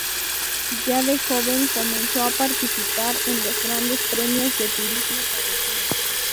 Ya de joven, comenzó a participar en los grandes premio de Turismo Carretera.